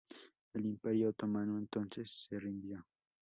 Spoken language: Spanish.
El Imperio otomano entonces se rindió.